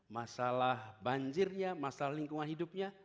masalah banjirnya masalah lingkungan hidupnya